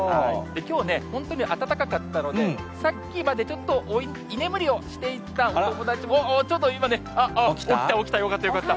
きょうね、本当に暖かかったので、さっきまでちょっと居眠りをしていたお友達も、ちょっと今ね、起きた、起きた、よかった、よかった。